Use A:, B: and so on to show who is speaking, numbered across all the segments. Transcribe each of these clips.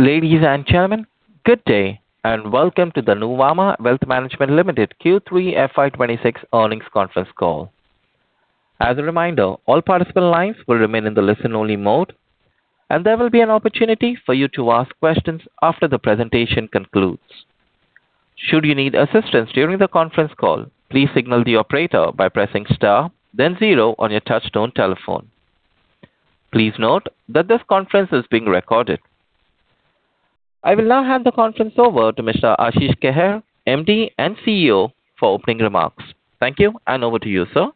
A: Ladies and gentlemen, good day, and welcome to the Nuvama Wealth Management Limited Q3 FY 2026 earnings conference call. As a reminder, all participant lines will remain in the listen-only mode, and there will be an opportunity for you to ask questions after the presentation concludes. Should you need assistance during the conference call, please signal the operator by pressing star, then zero on your touchtone telephone. Please note that this conference is being recorded. I will now hand the conference over to Mr. Ashish Kehair, MD and CEO, for opening remarks. Thank you, and over to you, sir.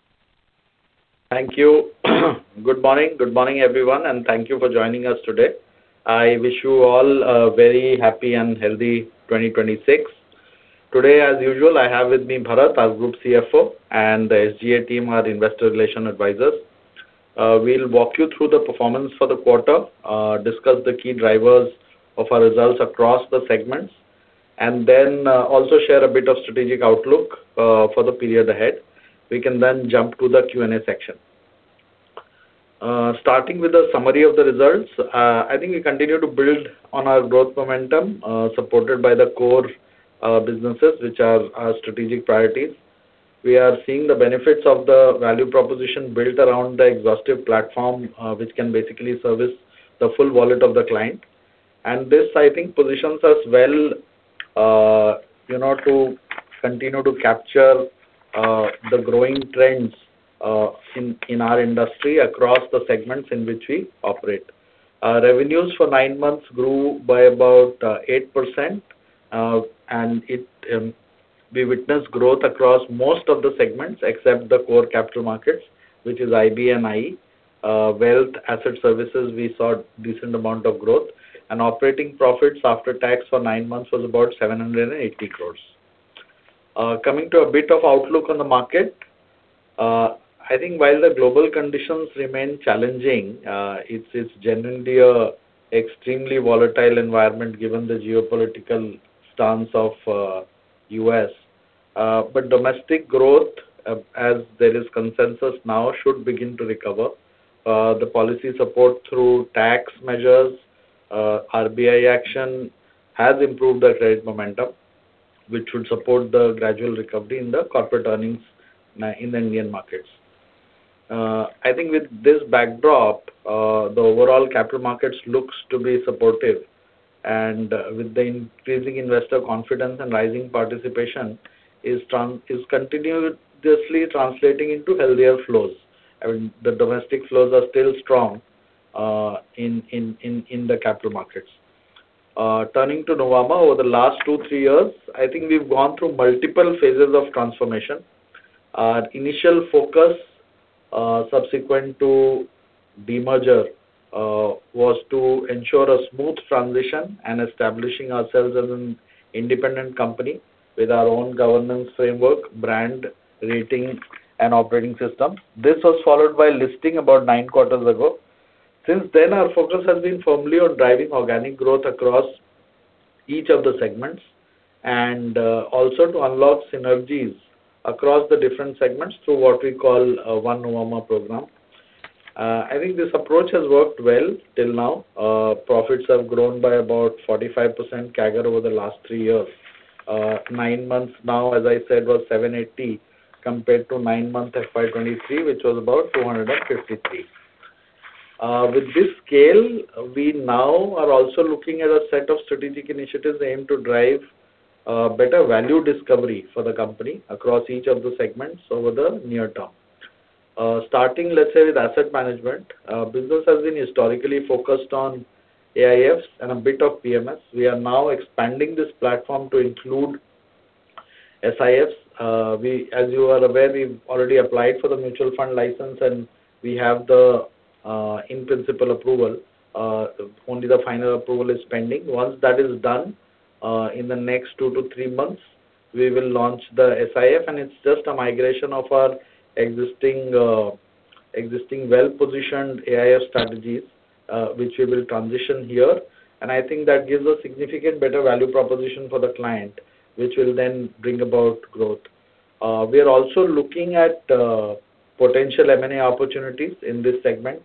B: Thank you. Good morning, good morning, everyone, and thank you for joining us today. I wish you all a very happy and healthy 2026. Today, as usual, I have with me Bharat, our Group CFO, and the SGA team, our investor relations advisors. We'll walk you through the performance for the quarter, discuss the key drivers of our results across the segments, and then also share a bit of strategic outlook for the period ahead. We can then jump to the Q&A section. Starting with a summary of the results, I think we continue to build on our growth momentum, supported by the core businesses, which are our strategic priorities. We are seeing the benefits of the value proposition built around the exhaustive platform, which can basically service the full wallet of the client. This, I think, positions us well, you know, to continue to capture the growing trends in our industry across the segments in which we operate. Our revenues for nine months grew by about 8%, and we witnessed growth across most of the segments except the core Capital Markets, which is IB and IE. Wealth, Asset Services, we saw decent amount of growth, and operating profits after tax for nine months was about 780 crore. Coming to a bit of outlook on the market, I think while the global conditions remain challenging, it's generally a extremely volatile environment, given the geopolitical stance of the U.S. But domestic growth, as there is consensus now, should begin to recover. The policy support through tax measures, RBI action, has improved the credit momentum, which should support the gradual recovery in the corporate earnings in the Indian markets. I think with this backdrop, the overall Capital Markets looks to be supportive, and, with the increasing investor confidence and rising participation is continuously translating into healthier flows. I mean, the domestic flows are still strong, in the Capital Markets. Turning to Nuvama, over the last two, three years, I think we've gone through multiple phases of transformation. Our initial focus, subsequent to demerger, was to ensure a smooth transition and establishing ourselves as an independent company with our own governance framework, brand, rating, and operating system. This was followed by listing about nine quarters ago. Since then, our focus has been firmly on driving organic growth across each of the segments, and also to unlock synergies across the different segments through what we call One Nuvama program. I think this approach has worked well till now. Profits have grown by about 45% CAGR over the last 3 years. 9 months now, as I said, was 780, compared to 9 months FY 2023, which was about 253. With this scale, we now are also looking at a set of strategic initiatives aimed to drive better value discovery for the company across each of the segments over the near term. Starting, let's say, with asset management, business has been historically focused on AIFs and a bit of PMS. We are now expanding this platform to include SIFs. We, as you are aware, we've already applied for the mutual fund license, and we have the in-principle approval. Only the final approval is pending. Once that is done, in the next 2-3 months, we will launch the SIF, and it's just a migration of our existing well-positioned AIF strategies, which we will transition here. And I think that gives a significant better value proposition for the client, which will then bring about growth. We are also looking at potential M&A opportunities in this segment.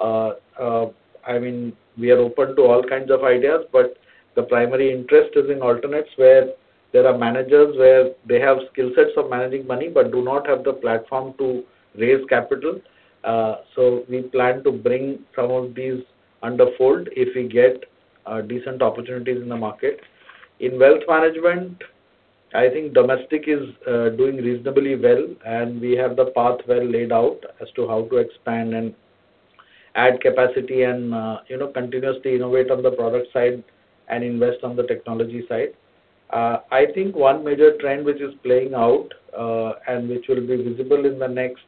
B: I mean, we are open to all kinds of ideas, but the primary interest is in alternatives, where there are managers, where they have skill sets of managing money, but do not have the platform to raise capital. So we plan to bring some of these under fold if we get decent opportunities in the market. In Wealth Management, I think domestic is doing reasonably well, and we have the path well laid out as to how to expand and add capacity and, you know, continuously innovate on the product side and invest on the technology side. I think one major trend which is playing out and which will be visible in the next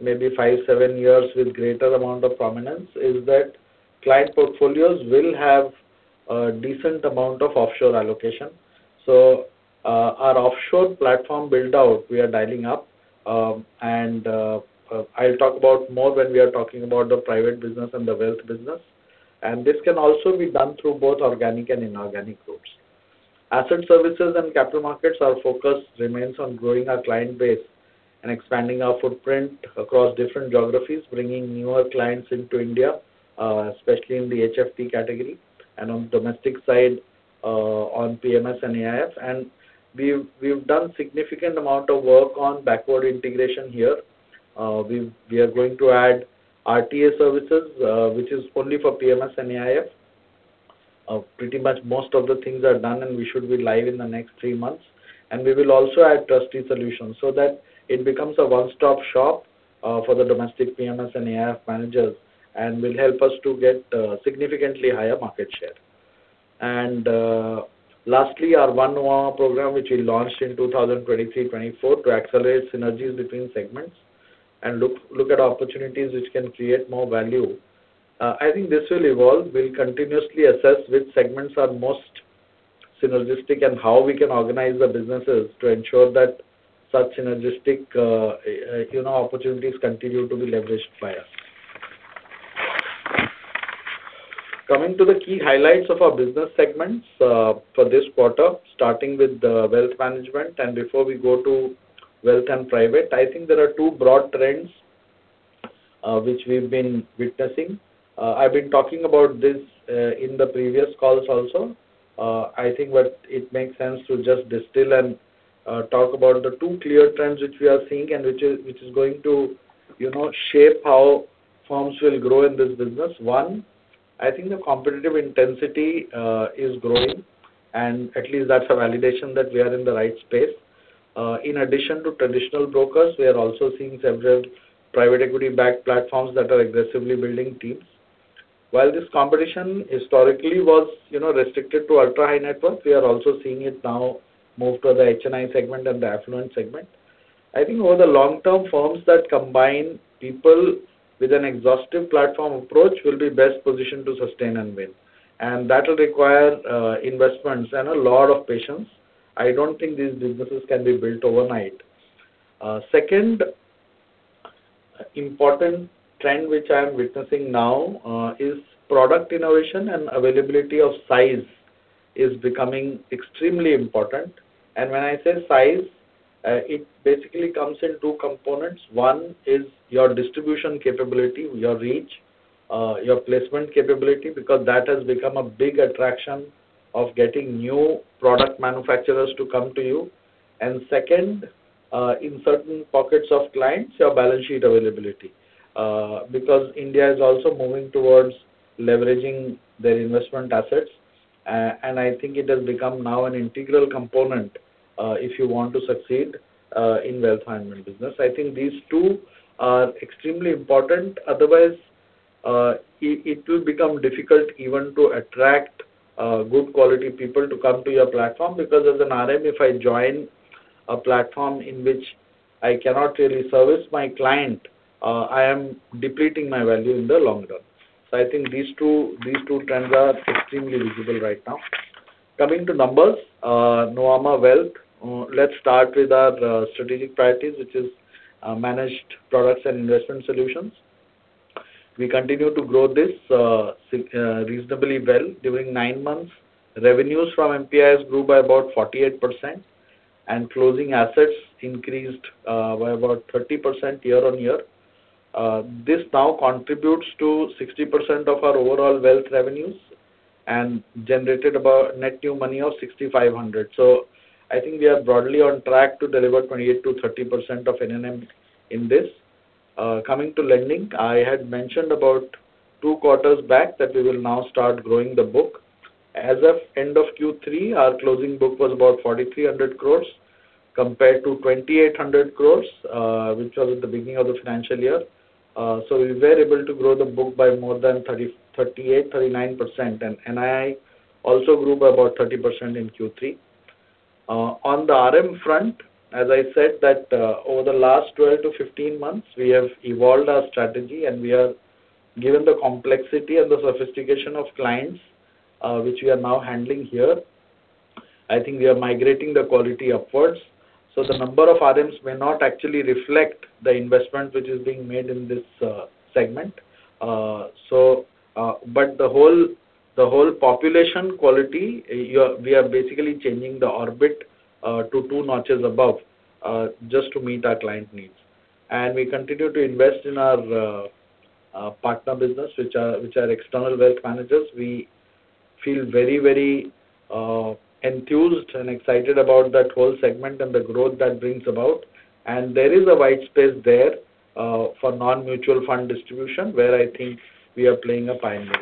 B: maybe 5, 7 years with greater amount of prominence is that client portfolios will have a decent amount of offshore allocation. So, our offshore platform build-out, we are dialing up, and I'll talk about more when we are talking about the private business and the wealth business. This can also be done through both organic and inorganic growth. Asset services and Capital Markets, our focus remains on growing our client base and expanding our footprint across different geographies, bringing newer clients into India, especially in the HFT category and on domestic side, on PMS and AIF. And we've done significant amount of work on backward integration here. We are going to add RTA services, which is only for PMS and AIF. Pretty much most of the things are done, and we should be live in the next three months. And we will also add trustee solutions so that it becomes a one-stop shop for the domestic PMS and AIF managers, and will help us to get significantly higher market share. And, lastly, our One Nuvama program, which we launched in 2023, 2024, to accelerate synergies between segments and look at opportunities which can create more value. I think this will evolve. We'll continuously assess which segments are most synergistic and how we can organize the businesses to ensure that such synergistic, you know, opportunities continue to be leveraged by us. Coming to the key highlights of our business segments, for this quarter, starting with the Wealth Management, and before we go to wealth and private, I think there are two broad trends, which we've been witnessing. I've been talking about this, in the previous calls also. I think what it makes sense to just distill and talk about the two clear trends which we are seeing and which is going to, you know, shape how firms will grow in this business. One, I think the competitive intensity is growing, and at least that's a validation that we are in the right space. In addition to traditional brokers, we are also seeing several private equity-backed platforms that are aggressively building teams. While this competition historically was, you know, restricted to ultra-high net worth, we are also seeing it now move to the HNI segment and the affluent segment. I think over the long term, firms that combine people with an exhaustive platform approach will be best positioned to sustain and win, and that will require investments and a lot of patience. I don't think these businesses can be built overnight. Second important trend, which I am witnessing now, is product innovation and availability of size is becoming extremely important. When I say size, it basically comes in two components. One is your distribution capability, your reach, your placement capability, because that has become a big attraction of getting new product manufacturers to come to you. Second, in certain pockets of clients, your balance sheet availability, because India is also moving towards leveraging their investment assets, and I think it has become now an integral component, if you want to succeed, in Wealth Management business. I think these two are extremely important. Otherwise, it will become difficult even to attract good quality people to come to your platform. Because as an RM, if I join a platform in which I cannot really service my client, I am depleting my value in the long term. So I think these two, these two trends are extremely visible right now. Coming to numbers, Nuvama Wealth. Let's start with our strategic priorities, which is Managed Products and Investment Solutions. We continue to grow this reasonably well. During nine months, revenues from MPIS grew by about 48%, and closing assets increased by about 30% year-on-year. This now contributes to 60% of our overall wealth revenues and generated about net new money of 6,500 crore. So I think we are broadly on track to deliver 28%-30% of NNM in this. Coming to lending, I had mentioned about two quarters back that we will now start growing the book. As of end of Q3, our closing book was about 4,300 crores, compared to 2,800 crores, which was at the beginning of the financial year. So we were able to grow the book by more than 30, 38, 39%, and NII also grew by about 30% in Q3. On the RM front, as I said that, over the last 12 to 15 months, we have evolved our strategy, and we are given the complexity and the sophistication of clients, which we are now handling here. I think we are migrating the quality upwards. So the number of RMs may not actually reflect the investment which is being made in this segment. So, but the whole population quality, we are basically changing the orbit to two notches above, just to meet our client needs. And we continue to invest in our partner business, which are external wealth managers. We feel very, very enthused and excited about that whole segment and the growth that brings about. And there is a wide space there for non-mutual fund distribution, where I think we are playing a pioneering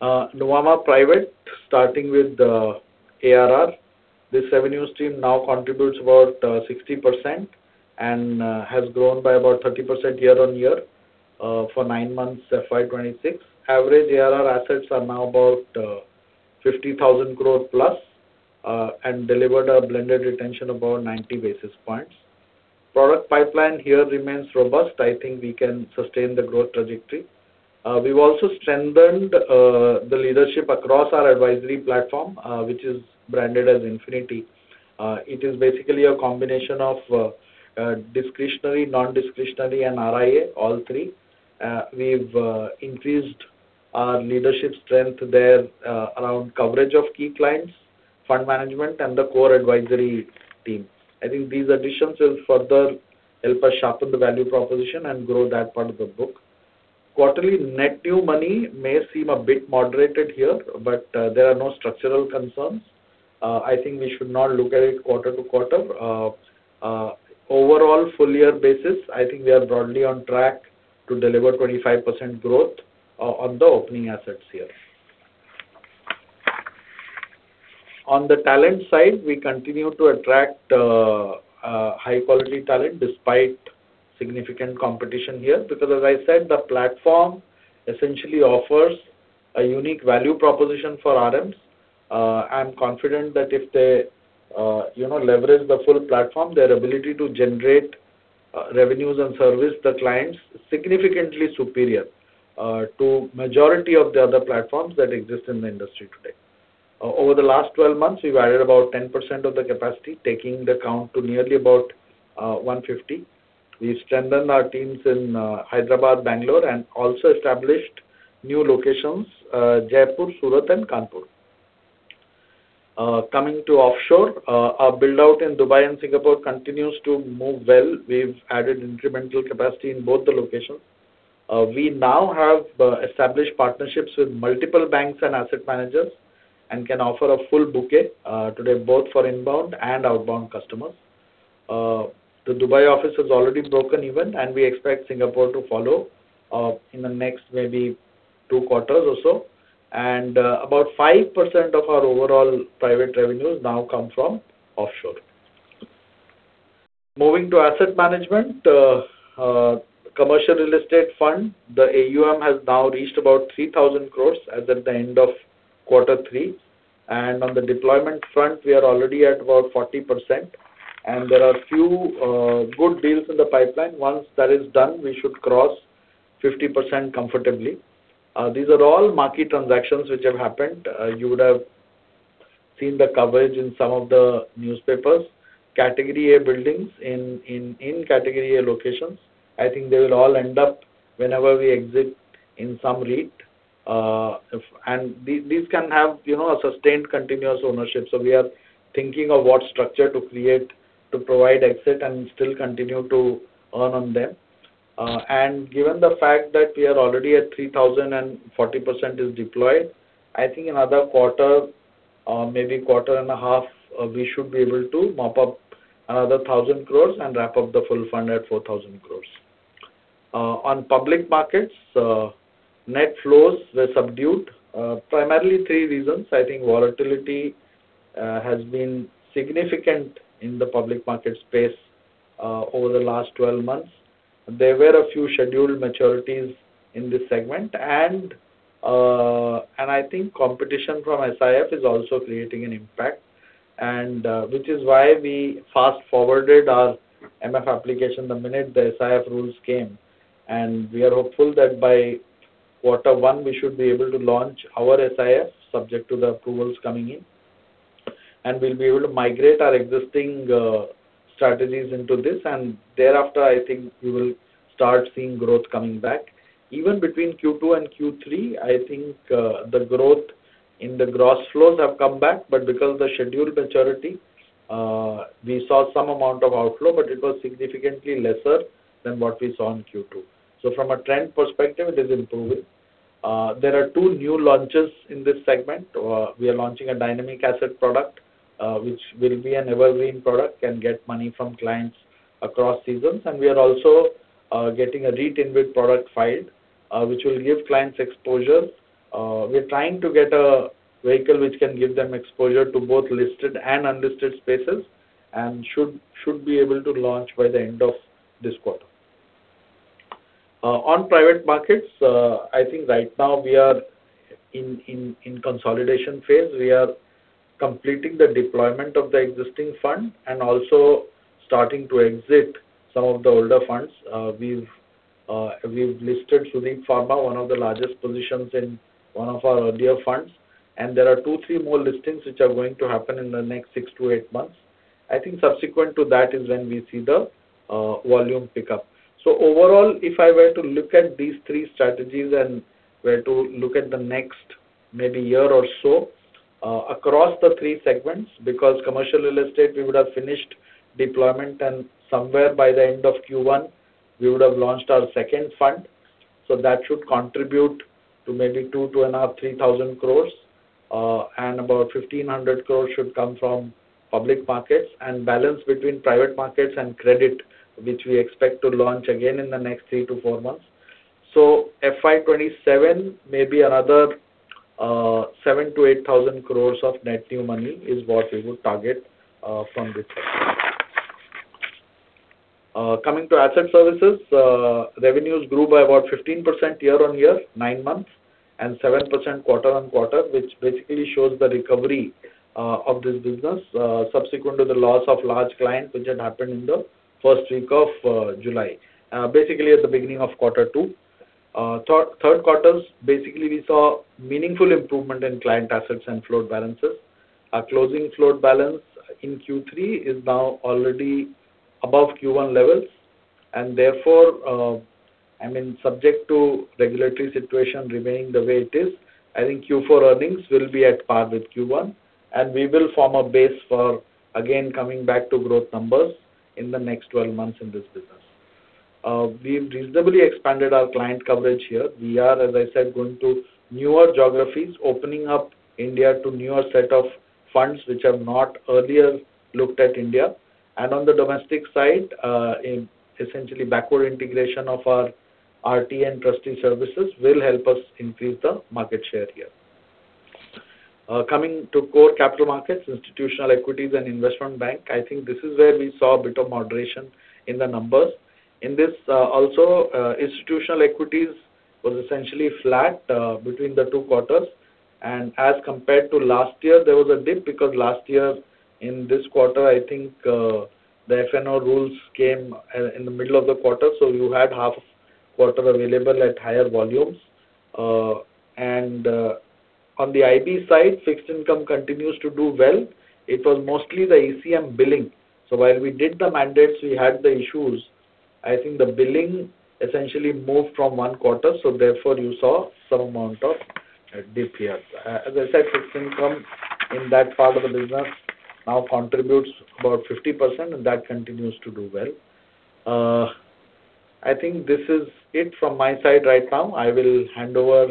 B: role. Nuvama Private, starting with the ARR. This revenue stream now contributes about 60% and has grown by about 30% year-on-year for nine months, FY 2026. Average ARR assets are now about 50,000 crore plus and delivered a blended retention of about 90 basis points. Product pipeline here remains robust. I think we can sustain the growth trajectory. We've also strengthened the leadership across our advisory platform, which is branded as Infinity. It is basically a combination of discretionary, non-discretionary, and RIA, all three. We've increased our leadership strength there, around coverage of key clients, fund management, and the core advisory team. I think these additions will further help us sharpen the value proposition and grow that part of the book. Quarterly net new money may seem a bit moderated here, but there are no structural concerns. I think we should not look at it quarter to quarter. Overall, full year basis, I think we are broadly on track to deliver 25% growth, on the opening assets here. On the talent side, we continue to attract high quality talent despite significant competition here, because as I said, the platform essentially offers a unique value proposition for RMs. I'm confident that if they, you know, leverage the full platform, their ability to generate revenues and service the clients significantly superior to majority of the other platforms that exist in the industry today. Over the last 12 months, we've added about 10% of the capacity, taking the count to nearly about 150. We've strengthened our teams in Hyderabad, Bangalore, and also established new locations, Jaipur, Surat, and Kanpur. Coming to offshore, our build-out in Dubai and Singapore continues to move well. We've added incremental capacity in both the locations. We now have established partnerships with multiple banks and asset managers, and can offer a full bouquet today, both for inbound and outbound customers. The Dubai office has already broken even, and we expect Singapore to follow in the next maybe two quarters or so. About 5% of our overall private revenues now come from offshore. Moving to asset management, commercial real estate fund, the AUM has now reached about 3,000 crore as at the end of quarter three. On the deployment front, we are already at about 40%, and there are a few good deals in the pipeline. Once that is done, we should cross 50% comfortably. These are all market transactions which have happened. You would have seen the coverage in some of the newspapers. Category A buildings in category A locations. I think they will all end up whenever we exit in some REIT. If and these, these can have, you know, a sustained, continuous ownership. So we are thinking of what structure to create, to provide exit and still continue to earn on them. And given the fact that we are already at 3,040% is deployed, I think another quarter, maybe quarter and a half, we should be able to mop up another 1,000 crore and wrap up the full fund at 4,000 crore. On public markets, net flows were subdued. Primarily three reasons. I think volatility has been significant in the public market space, over the last 12 months. There were a few scheduled maturities in this segment, and, and I think competition from SIF is also creating an impact. And, which is why we fast-forwarded our MF application the minute the SIF rules came, and we are hopeful that by quarter one we should be able to launch our SIF, subject to the approvals coming in. And we'll be able to migrate our existing, strategies into this, and thereafter, I think we will start seeing growth coming back. Even between Q2 and Q3, I think, the growth in the gross flows have come back, but because the scheduled maturity, we saw some amount of outflow, but it was significantly lesser than what we saw in Q2. So from a trend perspective, it is improving. There are two new launches in this segment. We are launching a dynamic asset product, which will be an evergreen product, can get money from clients across seasons. And we are also getting a REIT-linked product filed, which will give clients exposure. We are trying to get a vehicle which can give them exposure to both listed and unlisted spaces, and should be able to launch by the end of this quarter. On private markets, I think right now we are in consolidation phase. We are completing the deployment of the existing fund and also starting to exit some of the older funds. We've listed Suven Pharma, one of the largest positions in one of our earlier funds, and there are two, three more listings which are going to happen in the next six to eight months. I think subsequent to that is when we see the, volume pick up. So overall, if I were to look at these three strategies and were to look at the next maybe year or so, across the three segments, because commercial real estate, we would have finished deployment, and somewhere by the end of Q1, we would have launched our second fund. So that should contribute to maybe 2,000-2,500-INR 3,000 crores, and about 1,500 crores should come from public markets, and balance between private markets and credit, which we expect to launch again in the next three to four months. So FY 2027, maybe another, seven to eight thousand crores of net new money is what we would target, from this. Coming to Asset Services, revenues grew by about 15% year-on-year nine months, and 7% quarter-on-quarter, which basically shows the recovery of this business subsequent to the loss of large clients, which had happened in the first week of July. Basically at the beginning of quarter two. Third quarter, basically, we saw meaningful improvement in client assets and float balances. Our closing float balance in Q3 is now already above Q1 levels, and therefore, I mean, subject to regulatory situation remaining the way it is, I think Q4 earnings will be at par with Q1, and we will form a base for again coming back to growth numbers in the next 12 months in this business. We've reasonably expanded our client coverage here. We are, as I said, going to newer geographies, opening up India to newer set of funds which have not earlier looked at India. On the domestic side, in essentially backward integration of our RTA trustee services will help us increase the market share here. Coming to core Capital Markets, Institutional Equities and investment bank, I think this is where we saw a bit of moderation in the numbers. In this, also, Institutional Equities was essentially flat between the two quarters, and as compared to last year, there was a dip, because last year in this quarter, I think, the F&O rules came in, in the middle of the quarter, so you had half quarter available at higher volumes. And on the IB side, fixed income continues to do well. It was mostly the ECM billing. So while we did the mandates, we had the issues. I think the billing essentially moved from one quarter, so therefore you saw some amount of dip here. As I said, fixed income in that part of the business now contributes about 50%, and that continues to do well. I think this is it from my side right now. I will hand over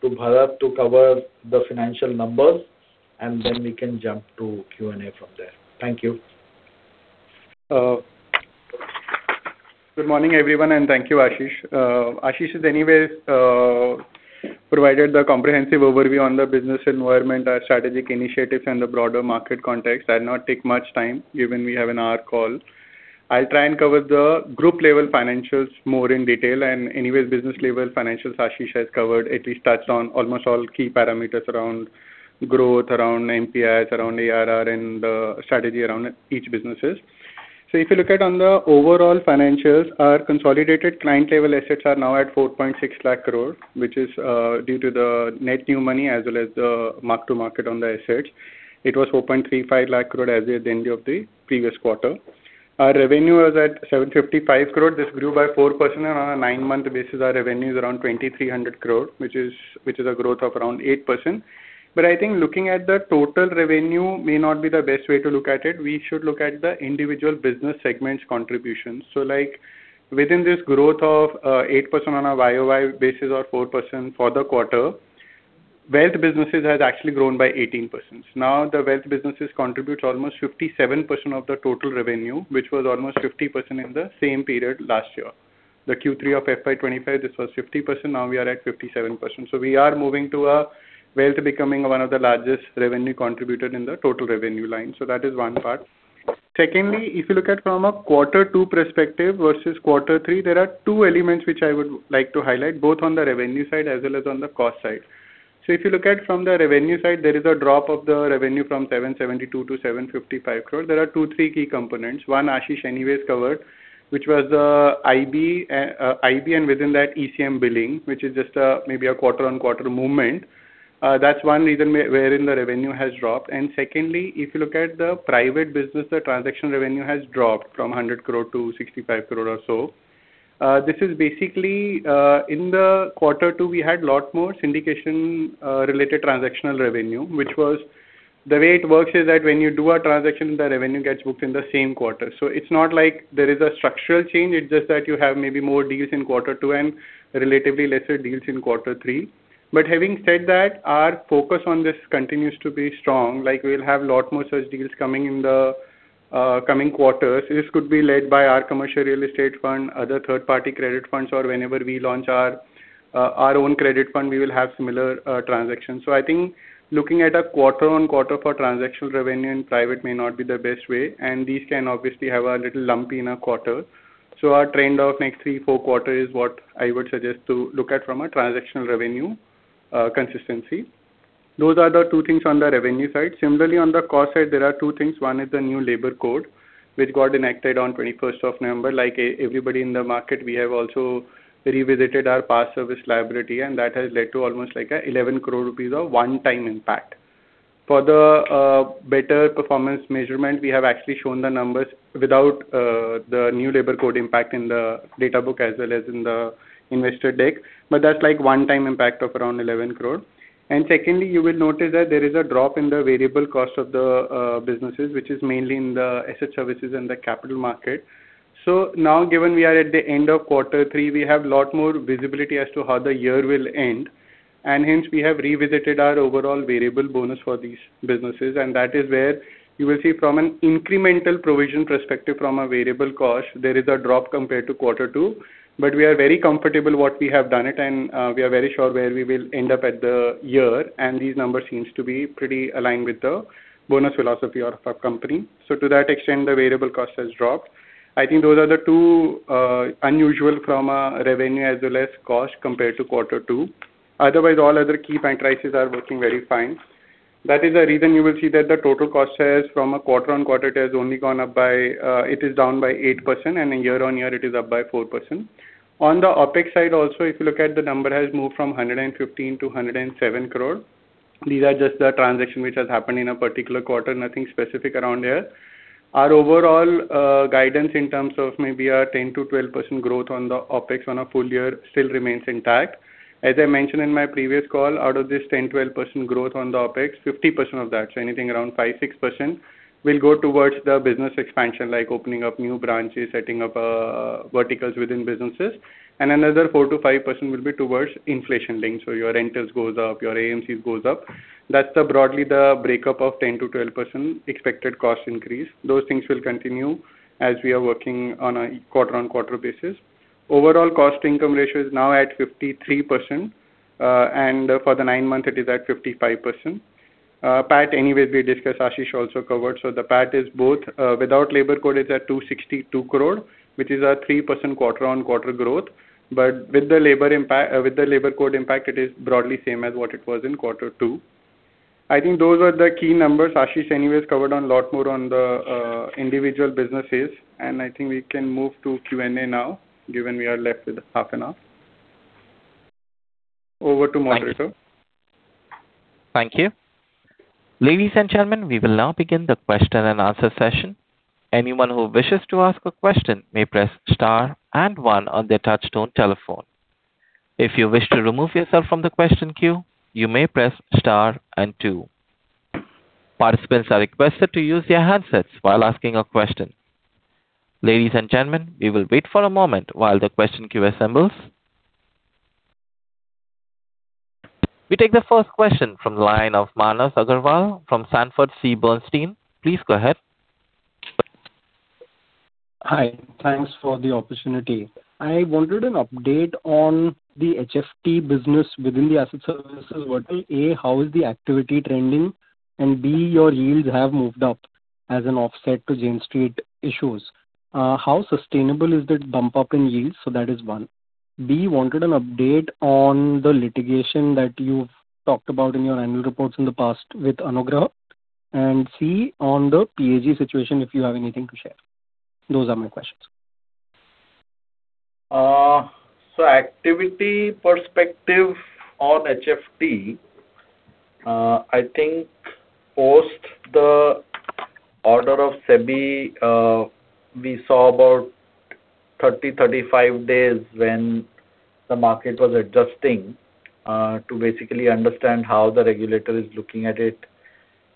B: to Bharat to cover the financial numbers, and then we can jump to Q&A from there. Thank you.
C: Good morning, everyone, and thank you, Ashish. Ashish has anyway provided the comprehensive overview on the business environment, our strategic initiatives, and the broader market context. I'll not take much time, given we have an hour call. I'll try and cover the group level financials more in detail. Anyways, business level financials, Ashish has covered. It touched on almost all key parameters around growth, around MPIS, around ARR, and strategy around each businesses. So if you look at on the overall financials, our consolidated client-level assets are now at 460,000 crore, which is due to the net new money as well as the mark-to-market on the assets. It was 435,000 crore as at the end of the previous quarter. Our revenue was at 755 crore. This grew by 4%, and on a nine-month basis, our revenue is around 2,300 crore, which is a growth of around 8%. But I think looking at the total revenue may not be the best way to look at it. We should look at the individual business segments contributions. So like within this growth of eight percent on a YOY basis or 4% for the quarter, wealth businesses has actually grown by 18%. Now, the wealth businesses contribute almost 57% of the total revenue, which was almost 50% in the same period last year. The Q3 of FY 2025, this was 50%, now we are at 57%. So we are moving to a wealth becoming one of the largest revenue contributor in the total revenue line. So that is one part. Secondly, if you look at from a Quarter two perspective versus Quarter three, there are two elements which I would like to highlight, both on the revenue side as well as on the cost side. So if you look at from the revenue side, there is a drop of the revenue from 772 crore to 755 crore. There are two, three key components. One, Ashish anyways covered, which was the IB, and within that ECM billing, which is just maybe a quarter-on-quarter movement. That's one reason wherein the revenue has dropped. And secondly, if you look at the private business, the transaction revenue has dropped from 100 crore to 65 crore or so. This is basically in the Quarter two, we had a lot more syndication related transactional revenue, which was... The way it works is that when you do a transaction, the revenue gets booked in the same quarter. So it's not like there is a structural change, it's just that you have maybe more deals in Quarter two and relatively lesser deals in Quarter three. But having said that, our focus on this continues to be strong, like we'll have a lot more such deals coming in the coming quarters. This could be led by our commercial real estate fund, other third-party credit funds, or whenever we launch our own credit fund, we will have similar transactions. So I think looking at a quarter-on-quarter for transactional revenue in private may not be the best way, and these can obviously have a little lumpy in a quarter. So our trend of next 3-4 quarters is what I would suggest to look at from a transactional revenue consistency. Those are the two things on the revenue side. Similarly, on the cost side, there are two things. One is the new labor code, which got enacted on 21st of November. Like everybody in the market, we have also revisited our past service liability, and that has led to almost like 11 crore rupees of one-time impact. For the better performance measurement, we have actually shown the numbers without the new labor code impact in the Databook as well as in the investor deck, but that's like one-time impact of around 11 crore. And secondly, you will notice that there is a drop in the variable cost of the businesses, which is mainly in the asset services and the capital market. So now, given we are at the end of quarter three, we have a lot more visibility as to how the year will end, and hence we have revisited our overall variable bonus for these businesses, and that is where you will see from an incremental provision perspective, from a variable cost, there is a drop compared to quarter two. But we are very comfortable what we have done it, and we are very sure where we will end up at the year, and these numbers seems to be pretty aligned with the bonus philosophy of our company. So to that extent, the variable cost has dropped. I think those are the two unusual from a revenue as well as cost compared to quarter two. Otherwise, all other key parameters are working very fine. That is the reason you will see that the total cost shares from a quarter-on-quarter, it has only gone up by, it is down by 8%, and in year-on-year, it is up by 4%. On the OpEx side also, if you look at the number, has moved from 115 crore to 107 crore. These are just the transaction which has happened in a particular quarter, nothing specific around here. Our overall, guidance in terms of maybe a 10%-12% growth on the OpEx on a full year still remains intact. As I mentioned in my previous call, out of this 10%-12% growth on the OpEx, 50% of that, so anything around 5%-6%, will go towards the business expansion, like opening up new branches, setting up, verticals within businesses, and another 4%-5% will be towards inflation link. So your rentals goes up, your AMCs goes up. That's the broadly the breakup of 10%-12% expected cost increase. Those things will continue as we are working on a quarter-on-quarter basis. Overall cost income ratio is now at 53%, and for the nine months, it is at 55%. PAT, anyway, we discussed, Ashish also covered. So the PAT is both, without labor code, it's at 262 crore, which is a 3% quarter-on-quarter growth. But with the labor impact, with the labor code impact, it is broadly same as what it was in quarter two. I think those were the key numbers. Ashish anyways covered on a lot more on the individual businesses, and I think we can move to Q&A now, given we are left with half an hour. Over to moderator.
A: Thank you. Ladies and gentlemen, we will now begin the question and answer session. Anyone who wishes to ask a question may press star and one on their touchtone telephone. If you wish to remove yourself from the question queue, you may press star and two. Participants are requested to use their handsets while asking a question. Ladies and gentlemen, we will wait for a moment while the question queue assembles. We take the first question from the line of Manas Agrawal from Sanford C. Bernstein. Please go ahead.
D: Hi, thanks for the opportunity. I wanted an update on the HFT business within the Asset Services vertical. A, how is the activity trending? And B, your yields have moved up as an offset to Jane Street issues. How sustainable is the bump up in yields? So that is one. B, wanted an update on the litigation that you've talked about in your annual reports in the past with Anugrah. And C, on the PAG situation, if you have anything to share. Those are my questions.
B: So activity perspective on HFT, I think post the order of SEBI, we saw about 30-35 days when the market was adjusting to basically understand how the regulator is looking at it.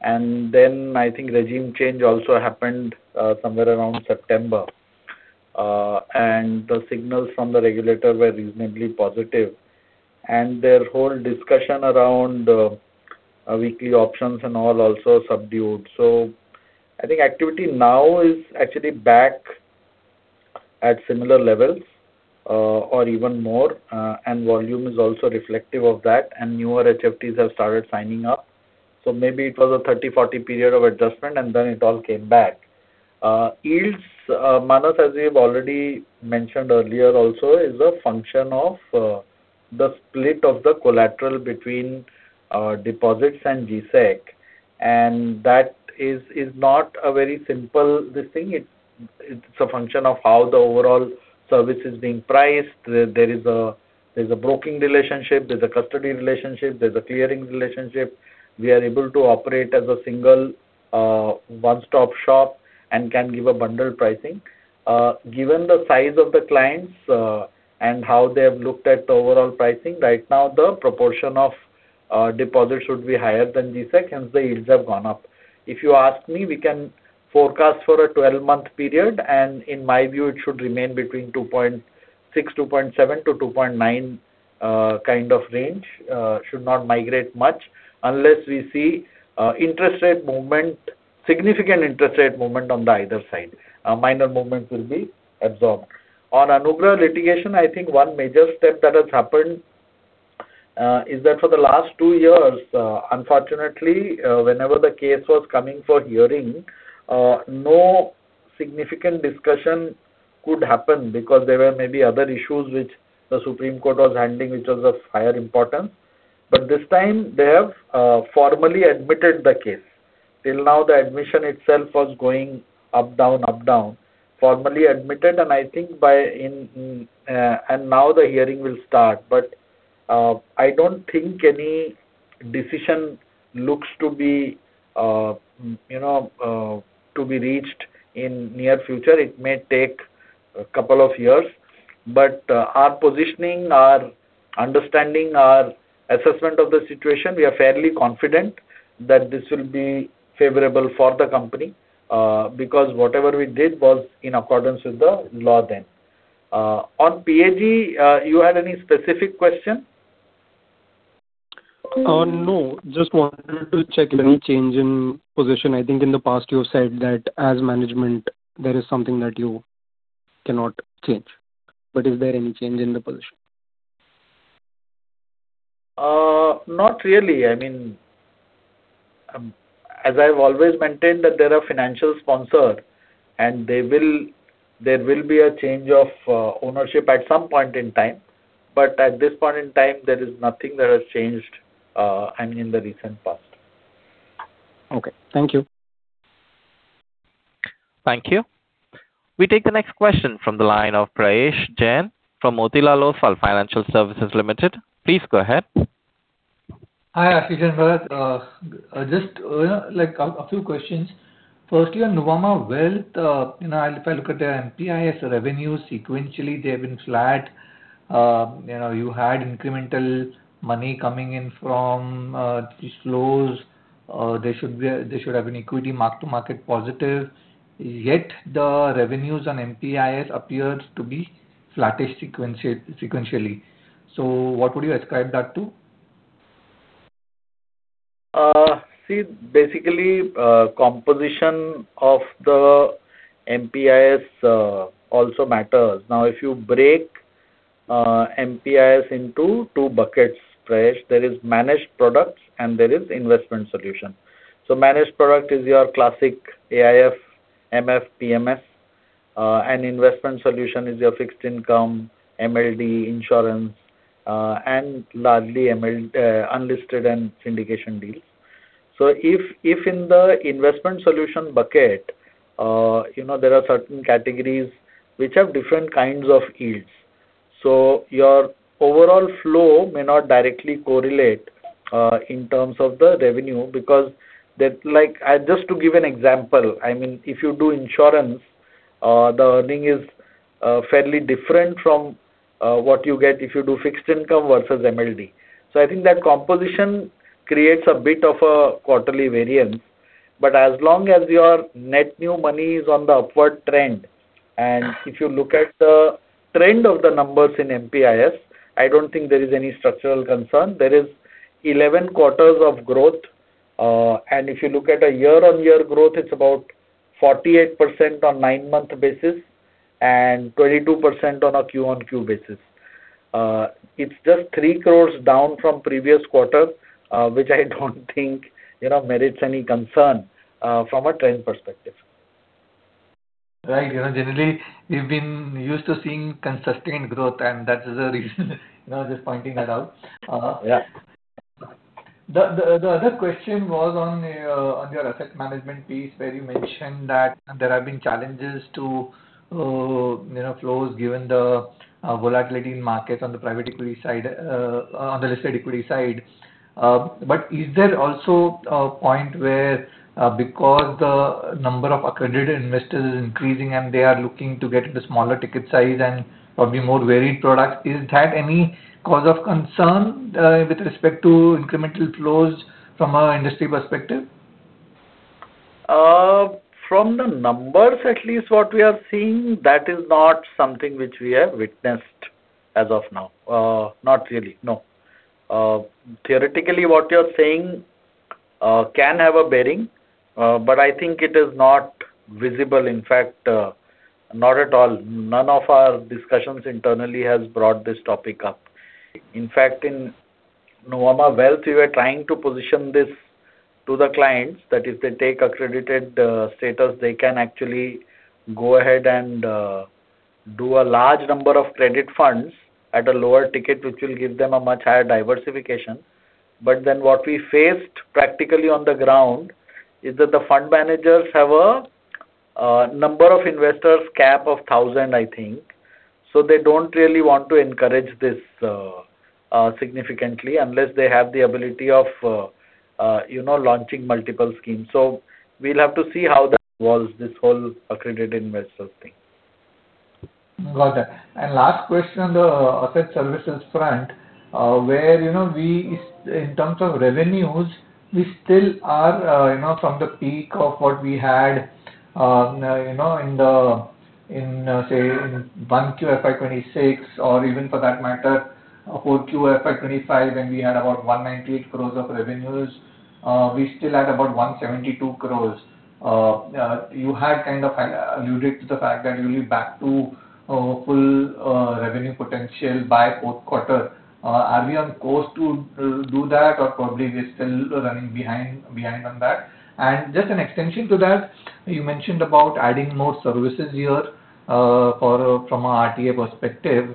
B: And then I think regime change also happened somewhere around September, and the signals from the regulator were reasonably positive. And their whole discussion around weekly options and all also subdued. So I think activity now is actually back at similar levels or even more, and volume is also reflective of that, and newer HFTs have started signing up. So maybe it was a 30-40 period of adjustment, and then it all came back. Yields, Manas, as we have already mentioned earlier also, is a function of the split of the collateral between deposits and G-Sec, and that is, is not a very simple this thing. It's a function of how the overall service is being priced. There is a broking relationship, there's a custody relationship, there's a clearing relationship. We are able to operate as a single one-stop shop and can give a bundled pricing. Given the size of the clients and how they have looked at the overall pricing, right now, the proportion of deposits should be higher than G-Sec, hence, the yields have gone up. If you ask me, we can forecast for a 12-month period, and in my view, it should remain between 2.6, 2.7 to 2.9 kind of range. Should not migrate much unless we see an interest rate movement, significant interest rate movement on either side. Minor movements will be absorbed. On Anugrah litigation, I think one major step that has happened is that for the last two years, unfortunately, whenever the case was coming for hearing, no significant discussion could happen because there were maybe other issues which the Supreme Court was handling, which was of higher importance. But this time, they have formally admitted the case. Till now, the admission itself was going up, down, up, down. Formally admitted, and I think by in... and now the hearing will start. But, I don't think any decision looks to be, you know, to be reached in near future. It may take a couple of years, but, our positioning, our understanding, our assessment of the situation, we are fairly confident that this will be favorable for the company, because whatever we did was in accordance with the law then. On PAG, you had any specific question?
D: No. Just wanted to check any change in position. I think in the past you have said that as management, there is something that you cannot change, but is there any change in the position?
B: Not really. I mean, as I've always maintained that there are financial sponsor and there will be a change of ownership at some point in time, but at this point in time, there is nothing that has changed, and in the recent past.
D: Okay, thank you.
A: Thank you. We take the next question from the line of Prayesh Jain from Motilal Oswal Financial Services Limited. Please go ahead.
E: Hi, Ashish and Bharat. Just, you know, like, a few questions. Firstly, on Nuvama Wealth, you know, and if I look at their MPIS revenues, sequentially, they have been flat. You know, you had incremental money coming in from these flows. They should have an equity mark-to-market positive, yet the revenues on MPIS appears to be flattish sequentially. So what would you ascribe that to?
B: See, basically, composition of the MPIS also matters. Now, if you break MPIS into two buckets, Praesh, there is managed products and there is investment solution. So managed product is your classic AIF, MF, PMS, and investment solution is your fixed income, MLD, insurance, and largely, ML, unlisted and syndication deals. So if, if in the investment solution bucket, you know, there are certain categories which have different kinds of yields. So your overall flow may not directly correlate in terms of the revenue, because that, like... Just to give an example, I mean, if you do insurance, the earning is fairly different from what you get if you do fixed income versus MLD. So I think that composition creates a bit of a quarterly variance. But as long as your net new money is on the upward trend, and if you look at the trend of the numbers in MPIS, I don't think there is any structural concern. There is 11 quarters of growth, and if you look at a year-on-year growth, it's about 48% on 9-month basis and 22% on a Q-on-Q basis. It's just 3 crore down from previous quarter, which I don't think, you know, merits any concern, from a trend perspective.
E: Right. You know, generally, we've been used to seeing consistent growth, and that is the reason you know, just pointing that out.
B: Yeah.
E: The other question was on your asset management piece, where you mentioned that there have been challenges to, you know, flows, given the volatility in markets on the private equity side, on the listed equity side. But is there also a point where, because the number of accredited investors is increasing and they are looking to get into smaller ticket size and probably more varied products, is that any cause of concern, with respect to incremental flows from a industry perspective?
B: From the numbers, at least what we are seeing, that is not something which we have witnessed as of now. Not really, no. Theoretically, what you're saying, can have a bearing, but I think it is not visible. In fact, not at all. None of our discussions internally has brought this topic up. In fact, in Nuvama Wealth, we were trying to position this to the clients, that if they take accredited status, they can actually go ahead and do a large number of credit funds at a lower ticket, which will give them a much higher diversification. But then what we faced practically on the ground is that the fund managers have a number of investors cap of 1,000, I think. So they don't really want to encourage this significantly unless they have the ability of, you know, launching multiple schemes. So we'll have to see how that evolves, this whole accredited investors thing.
E: Got that. Last question on the asset services front, where, you know, we, in terms of revenues, we still are, you know, from the peak of what we had, you know, in the, in, say, 1Q FY 2026 or even for that matter, 4Q FY 2025, when we had about 198 crore of revenues, we still had about 172 crore. You had kind of alluded to the fact that you'll be back to full revenue potential by fourth quarter. Are we on course to do that, or probably we're still running behind on that? And just an extension to that, you mentioned about adding more services here, for from a RTA perspective.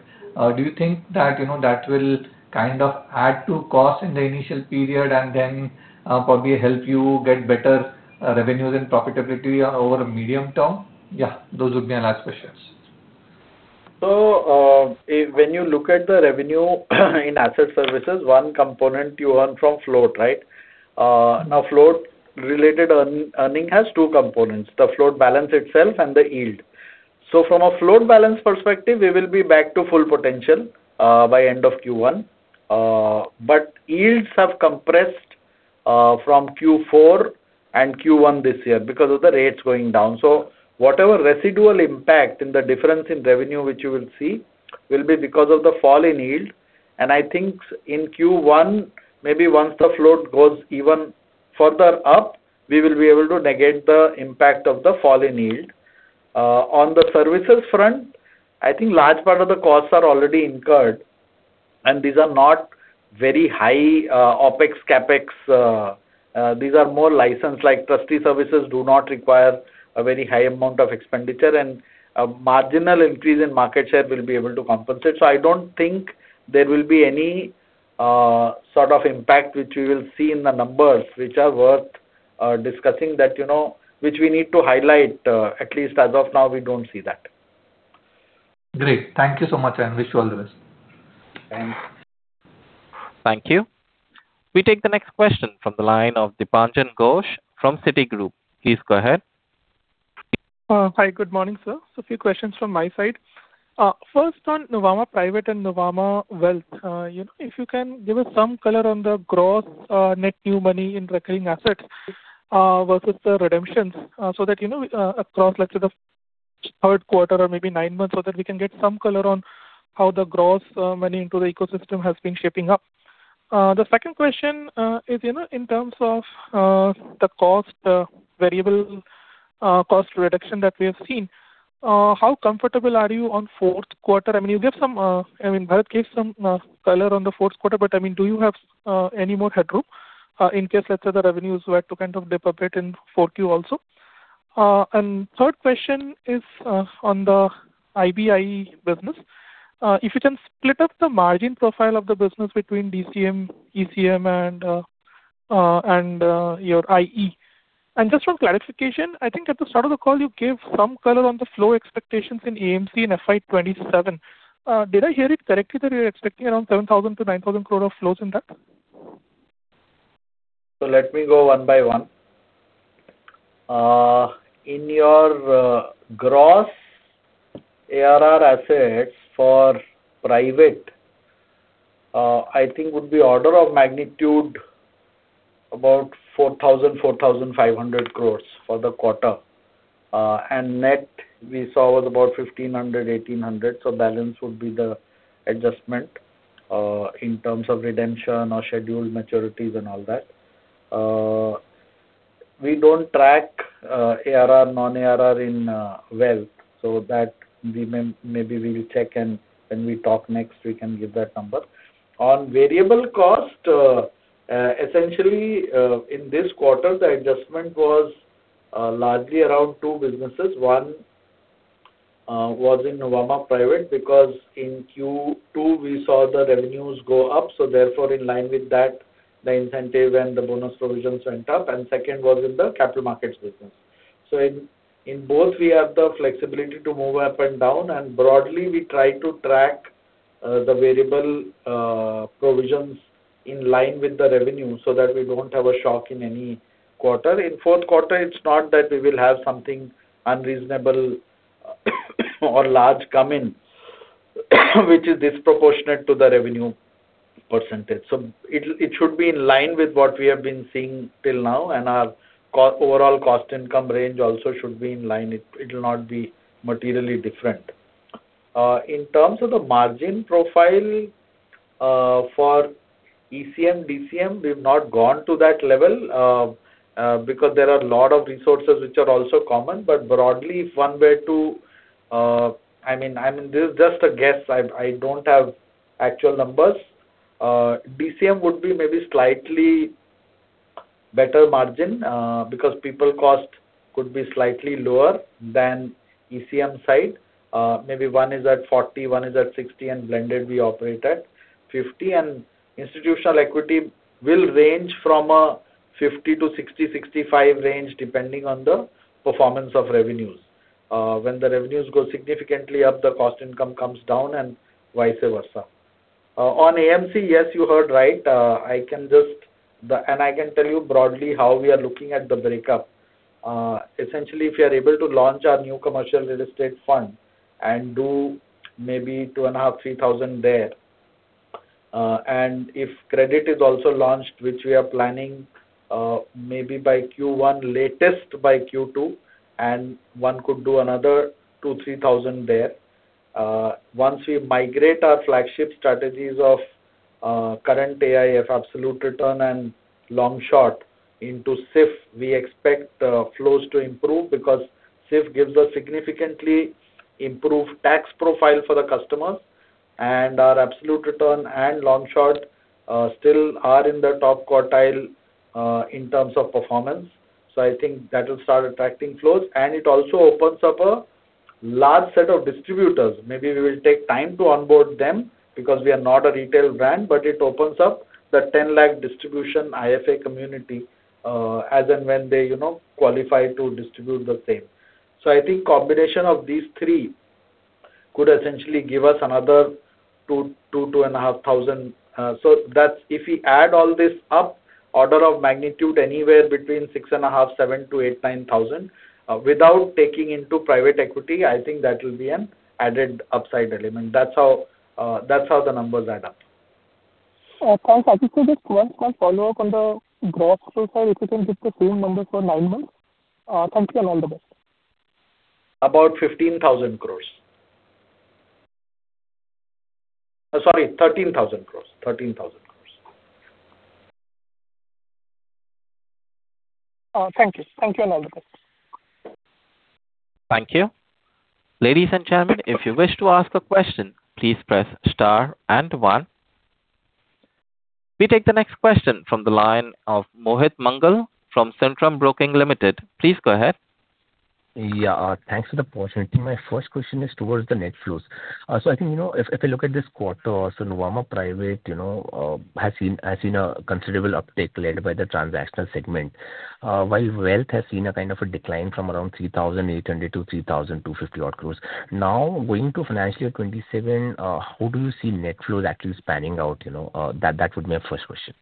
E: Do you think that, you know, that will kind of add to cost in the initial period and then, probably help you get better, revenues and profitability over a medium term? Yeah, those would be my last questions.
B: So, when you look at the revenue in asset services, one component you earn from float, right? Now, float-related earning has two components, the float balance itself and the yield. So from a float balance perspective, we will be back to full potential by end of Q1. But yields have compressed from Q4 and Q1 this year because of the rates going down. So whatever residual impact in the difference in revenue, which you will see, will be because of the fall in yield. And I think in Q1, maybe once the float goes even further up, we will be able to negate the impact of the fall in yield. On the services front, I think large part of the costs are already incurred, and these are not very high OpEx, CapEx. These are more licensed, like trustee services do not require a very high amount of expenditure, and a marginal increase in market share will be able to compensate. So I don't think there will be any sort of impact which we will see in the numbers which are worth discussing that, you know, which we need to highlight, at least as of now, we don't see that.
E: Great. Thank you so much, and wish you all the best.
B: Thanks.
A: Thank you. We take the next question from the line of Dipanjan Ghosh from Citigroup. Please go ahead.
F: Hi, good morning, sir. A few questions from my side. First on Nuvama Private and Nuvama Wealth, if you can give us some color on the gross net new money in recurring assets versus the redemptions, so that, you know, across, let's say, the third quarter or maybe nine months, so that we can get some color on how the gross money into the ecosystem has been shaping up. The second question is, you know, in terms of the variable cost reduction that we have seen, how comfortable are you on fourth quarter? I mean, you give some, I mean, Bharat gave some color on the fourth quarter, but, I mean, do you have any more headroom in case, let's say, the revenues were to kind of dip a bit in 4Q also? And third question is on the IBIE business. If you can split up the margin profile of the business between DCM, ECM, and your IE. And just for clarification, I think at the start of the call, you gave some color on the flow expectations in AMC in FY 2027. Did I hear it correctly that you're expecting around 7,000 crore-9,000 crore of flows in that?
B: So let me go one by one. In your gross ARR assets for private, I think would be order of magnitude about 4,000-4,500 crore for the quarter. And net we saw was about 1,500-1,800, so balance would be the adjustment in terms of redemption or scheduled maturities and all that. We don't track ARR, non-ARR in wealth, so that we may, maybe we will check, and when we talk next, we can give that number. On variable cost, essentially, in this quarter, the adjustment was largely around two businesses. One was in Nuvama Private, because in Q2 we saw the revenues go up, so therefore in line with that, the incentive and the bonus provisions went up. And second was in the Capital Markets business. So in both, we have the flexibility to move up and down, and broadly we try to track the variable provisions in line with the revenue so that we don't have a shock in any quarter. In fourth quarter, it's not that we will have something unreasonable, or large come in, which is disproportionate to the revenue percentage. So it should be in line with what we have been seeing till now, and our overall cost income range also should be in line. It will not be materially different. In terms of the margin profile for ECM, DCM, we've not gone to that level because there are a lot of resources which are also common. But broadly, if one were to I mean this is just a guess, I don't have actual numbers. DCM would be maybe slightly better margin, because people cost could be slightly lower than ECM side. Maybe one is at 40, one is at 60, and blended we operate at 50. And institutional equity will range from a 50 to 60, 65 range, depending on the performance of revenues. When the revenues go significantly up, the cost income comes down and vice versa. On AMC, yes, you heard right. I can tell you broadly how we are looking at the break-up. Essentially, if we are able to launch our new commercial real estate fund and do maybe 2.5 thousand-3 thousand there, and if credit is also launched, which we are planning, maybe by Q1, latest by Q2, and one could do another 2 thousand-3 thousand there. Once we migrate our flagship strategies of current AIF absolute return and long shot into SIF, we expect flows to improve because SIF gives a significantly improved tax profile for the customers, and our absolute return and long shot still are in the top quartile in terms of performance. So I think that will start attracting flows, and it also opens up a large set of distributors. Maybe we will take time to onboard them because we are not a retail brand, but it opens up the 10 lakh distribution IFA community as and when they, you know, qualify to distribute the same. So I think combination of these three could essentially give us another 2-2.5 thousand. So that's if we add all this up, order of magnitude, anywhere between 6.5, 7-8, 9,000, without taking into private equity, I think that will be an added upside element. That's how, that's how the numbers add up.
F: Thanks. I just take one small follow-up on the gross profile. If you can give the same number for nine months, thank you and all the best.
B: About INR 15,000 crore. Sorry, 13,000 crore. 13,000 crore.
F: Thank you. Thank you, and all the best.
A: Thank you. Ladies and gentlemen, if you wish to ask a question, please press star and one. We take the next question from the line of Mohit Mangal from Centrum Broking Limited. Please go ahead.
G: Yeah, thanks for the opportunity. My first question is towards the net flows. So I think, you know, if, if I look at this quarter, so Nuvama Private, you know, has seen, has seen a considerable uptake led by the transactional segment, while wealth has seen a kind of a decline from around 3,800 crores to 3,250 odd crores. Now, going to financial year 2027, how do you see net flows actually spanning out, you know? That, that would be my first question.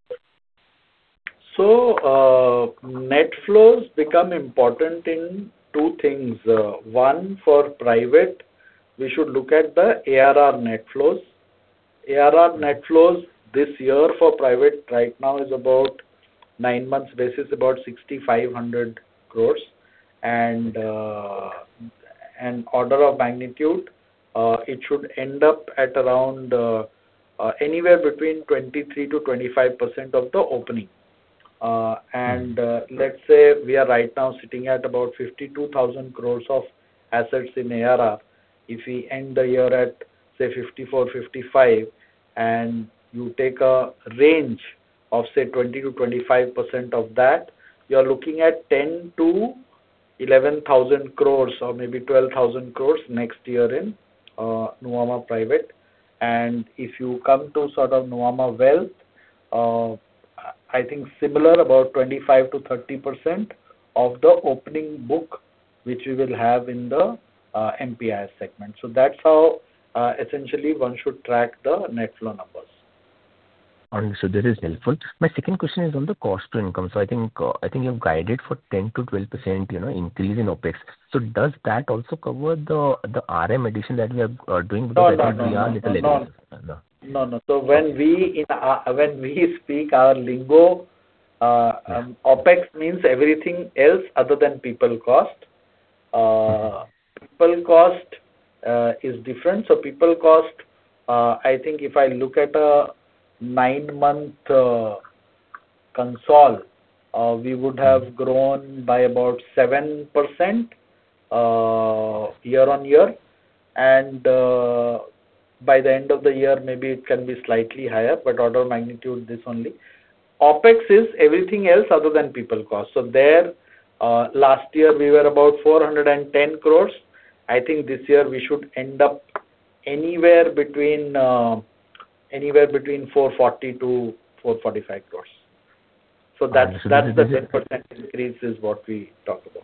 B: So, net flows become important in two things. One, for private, we should look at the ARR net flows. ARR net flows this year for private, right now is about nine months. This is about 6,500 crore. And in order of magnitude, it should end up at around anywhere between 23%-25% of the opening. And, let's say we are right now sitting at about 52,000 crore of assets in ARR. If we end the year at, say, 54, 55, and you take a range of, say, 20%-25% of that, you're looking at 10,000-11,000 crore or maybe 12,000 crore next year in Nuvama Private. If you come to sort of Nuvama Wealth, I think similar, about 25%-30% of the opening book, which we will have in the MPIS segment. So that's how essentially one should track the net flow numbers.
G: Understood. That is helpful. My second question is on the cost to income. So I think, I think you've guided for 10%-12%, you know, increase in OpEx. So does that also cover the RM addition that we are doing?
B: No, no, no.
G: Because RM is a little-
B: No.
G: No.
B: No, no. So when we in our, when we speak our lingo, OpEx means everything else other than people cost. People cost, I think if I look at a 9-month consolidated, we would have grown by about 7%, year-on-year. By the end of the year, maybe it can be slightly higher, but order of magnitude, this only. OpEx is everything else other than people cost. So there, last year we were about 410 crore. I think this year we should end up anywhere between, anywhere between 440 crore-445 crore. So that's, that's the 10% increase is what we talked about.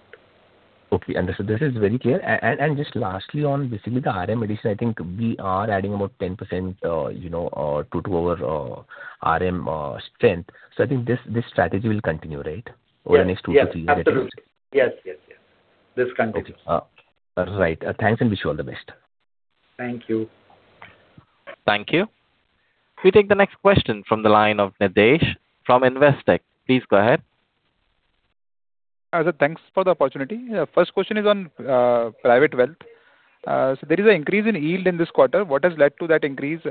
G: Okay, understood. This is very clear. And just lastly on basically the RM addition, I think we are adding about 10%, you know, to our RM strength. So I think this strategy will continue, right?
B: Yes.
G: Over the next two to three years.
B: Absolutely. Yes, yes, yes. This continues.
G: Okay. All right. Thanks, and wish you all the best.
B: Thank you.
A: Thank you. We take the next question from the line of Nidhesh from Investec. Please go ahead.
H: Sir, thanks for the opportunity. First question is on private wealth. There is an increase in yield in this quarter. What has led to that increase?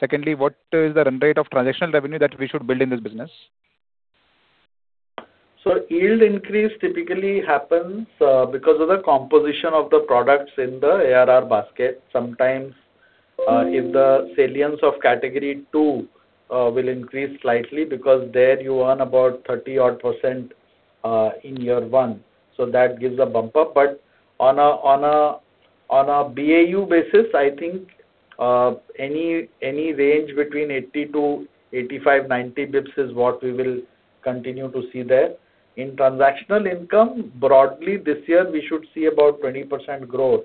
H: Secondly, what is the run rate of transactional revenue that we should build in this business?
B: So yield increase typically happens because of the composition of the products in the ARR basket. Sometimes, if the salience of category two will increase slightly, because there you earn about 30-odd percent in year one, so that gives a bump up. But on a BAU basis, I think any range between 80 to 85, 90 basis points is what we will continue to see there. In transactional income, broadly this year, we should see about 20% growth.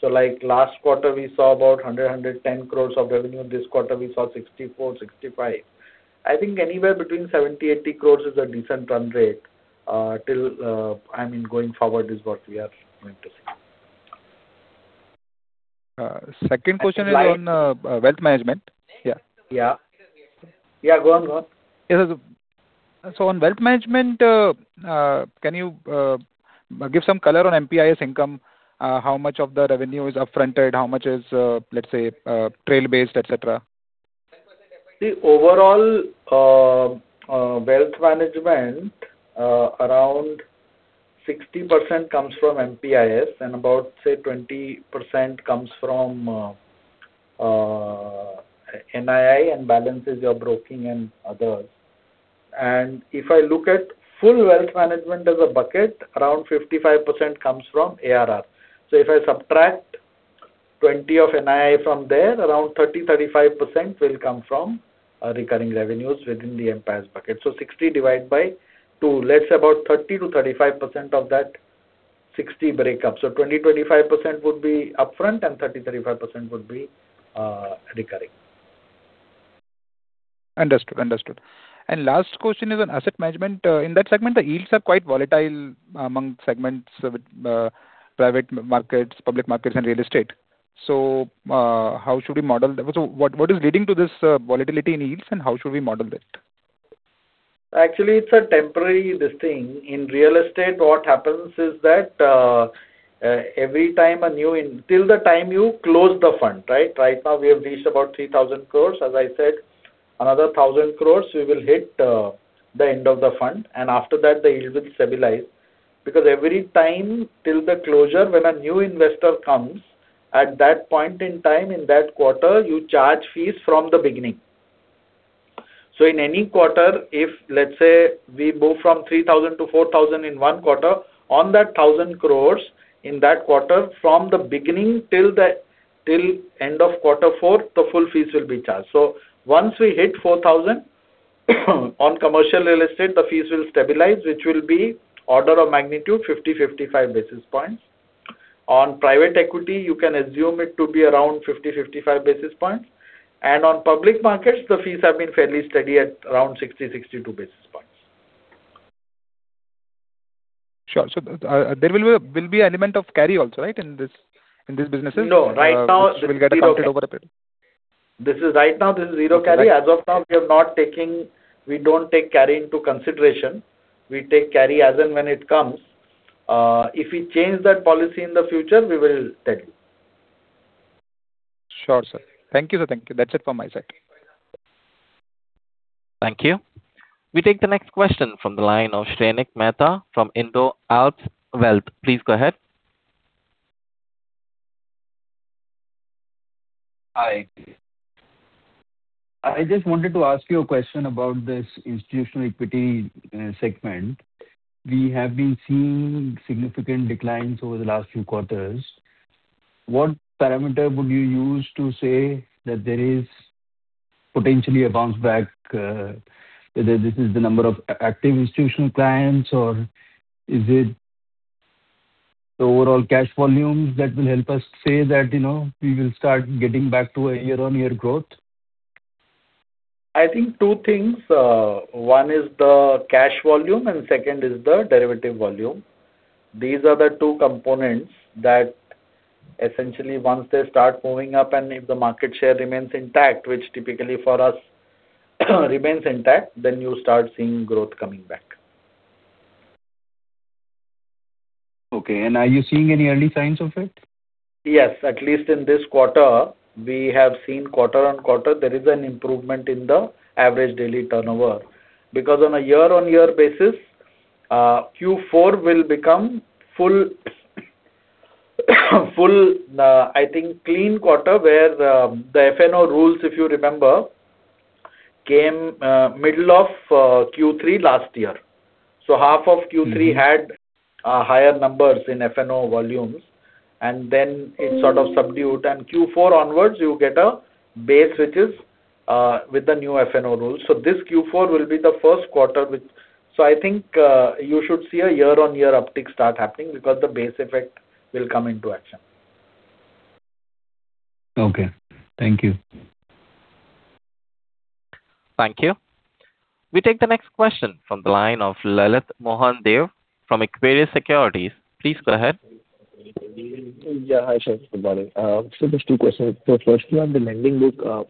B: So like last quarter, we saw about 110 crore of revenue. This quarter we saw 64 crore, 65 crore. I think anywhere between 70 crore, 80 crore is a decent run rate, till, I mean, going forward is what we are going to see.
H: Second question is on,
B: Right
H: Wealth Management. Yeah.
B: Yeah. Yeah, go on, go on.
H: Yes, sir. So on Wealth Management, can you give some color on MPIS income? How much of the revenue is upfronted? How much is, let's say, trail-based, et cetera?
B: The overall Wealth Management, around 60% comes from MPIS, and about, say, 20% comes from NII, and balance is your broking and others. If I look at full Wealth Management as a bucket, around 55% comes from ARR. So if I subtract 20% of NII from there, around 30%-35% will come from recurring revenues within the MPIS bucket. So 60 divide by 2, let's say about 30%-35% of that 60 break up. So 20-25% would be upfront and 30%-35% would be recurring.
H: Understood. Understood. Last question is on asset management. In that segment, the yields are quite volatile among segments, with private markets, public markets, and real estate. So, how should we model that? So what, what is leading to this volatility in yields, and how should we model it?
B: Actually, it's a temporary, this thing. In real estate, what happens is that every time a new... Until the time you close the fund, right? Right now, we have reached about 3,000 crore. As I said, another 1,000 crore, we will hit the end of the fund, and after that, the yield will stabilize. Because every time till the closure, when a new investor comes, at that point in time, in that quarter, you charge fees from the beginning. So in any quarter, if, let's say, we move from 3,000 crore to 4,000 crore in one quarter, on that 1,000 crore in that quarter, from the beginning till the till end of quarter four, the full fees will be charged. So once we hit 4,000 crore, on commercial real estate, the fees will stabilize, which will be order of magnitude, 50, 55 basis points. On private equity, you can assume it to be around 50-55 basis points, and on public markets, the fees have been fairly steady at around 60-62 basis points.
H: Sure. So, there will be element of carry also, right, in this, in these businesses?
B: No, right now, this is zero carry.
H: Which will get accounted over a period.
B: This is right now, this is zero carry.
H: Right.
B: As of now, we don't take carry into consideration. We take carry as and when it comes. If we change that policy in the future, we will tell you.
H: Sure, sir. Thank you, sir. Thank you. That's it from my side.
A: Thank you. We take the next question from the line of Shrenik Mehta from Indo Alpha Wealth. Please go ahead.
I: Hi. I just wanted to ask you a question about this institutional equity segment. We have been seeing significant declines over the last few quarters. What parameter would you use to say that there is potentially a bounce back, whether this is the number of active institutional clients, or is it the overall cash volumes that will help us say that, you know, we will start getting back to a year-on-year growth?
B: I think two things. One is the cash volume, and second is the derivative volume. These are the two components that essentially, once they start moving up, and if the market share remains intact, which typically for us, remains intact, then you start seeing growth coming back.
I: Okay. And are you seeing any early signs of it?
B: Yes, at least in this quarter, we have seen quarter-on-quarter, there is an improvement in the average daily turnover. Because on a year-on-year basis, Q4 will become full, full, I think, clean quarter, where, the F&O rules, if you remember, came, middle of, Q3 last year. So half of Q3-
I: Mm-hmm.
B: had higher numbers in F&O volumes, and then it sort of subdued. And Q4 onwards, you get a base, which is with the new F&O rules. So this Q4 will be the first quarter which... So I think you should see a year-on-year uptick start happening because the base effect will come into action.
I: Okay. Thank you.
A: Thank you. We take the next question from the line of Lalit Deo from Equirus Securities. Please go ahead.
J: Yeah. Hi, sir. Good morning. So just two questions. So firstly, on the lending book,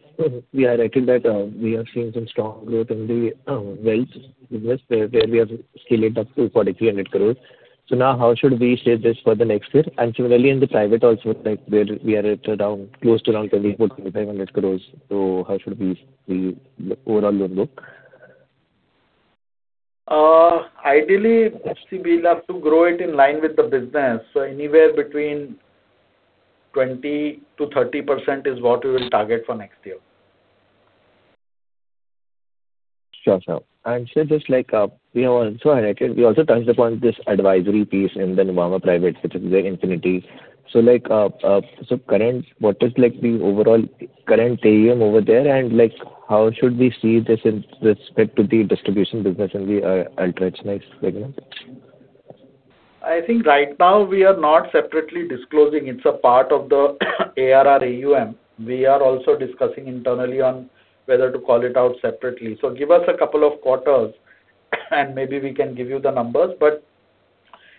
J: we reckon that we are seeing some strong growth in the wealth business, where we have scaled up to 4,300 crore. So now, how should we see this for the next year? And similarly, in the private also, like where we are at now, close to around 2,400-2,500 crore. So how should we see the overall loan book?
B: Ideally, we have to grow it in line with the business. Anywhere between 20%-30% is what we will target for next year.
J: Sure, sir. And sir, just like, we have also highlighted, we also touched upon this advisory piece in the Nuvama Private, which is the Infinity. So like, so current, what is like the overall current AUM over there, and like, how should we see this in respect to the distribution business in the, ultra rich next segment?
B: I think right now we are not separately disclosing. It's a part of the ARR AUM. We are also discussing internally on whether to call it out separately. So give us a couple of quarters, and maybe we can give you the numbers, but